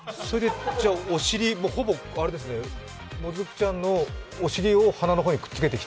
お尻、ほぼもずくちゃんのお尻を鼻の方にくっつけてる？